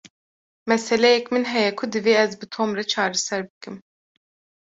Meseleyek min heye ku divê ez bi Tom re çareser bikim.